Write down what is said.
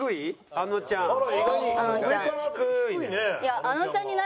あのちゃんを。